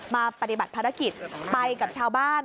มาปฏิบัติภารกิจไปกับชาวบ้าน